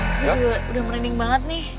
ini juga udah merinding banget nih